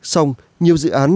xong nhiều dự án đã ra quyết định